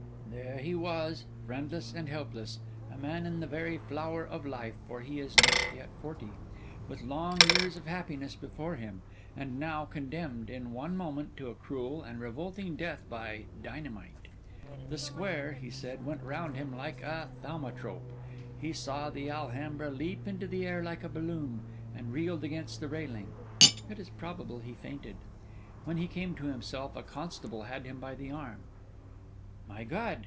There he was, friendless and helpless; a man in the very flower of life, for he is not yet forty; with long years of happiness before him; and now condemned, in one moment, to a cruel and revolting death by dynamite! The square, he said, went round him like a thaumatrope; he saw the Alhambra leap into the air like a balloon; and reeled against the railing. It is probable he fainted. When he came to himself, a constable had him by the arm. 'My God!